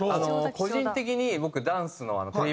個人的に僕ダンスの振り